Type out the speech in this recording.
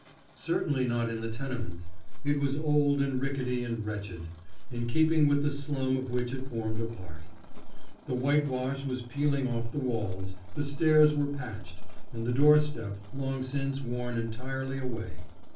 Certainly not in the tenement. It was old and rickety and wretched, in keeping with the slum of which it formed a part. The whitewash was peeling off the walls, the stairs were patched, and the door step long since worn entirely away.